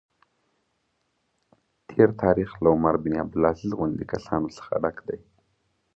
تېر تاریخ له عمر بن عبدالعزیز غوندې کسانو څخه ډک دی.